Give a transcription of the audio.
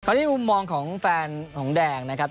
อันนี้มุมมองของแฟนของแดงนะครับ